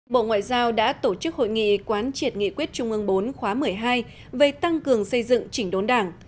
bộ ngoại giao đã tổ chức hội nghị quán triệt nghị quyết trung ương bốn khóa một mươi hai về tăng cường xây dựng chỉnh đốn đảng